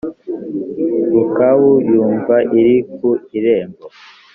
Rukabu yumva iri ku irembo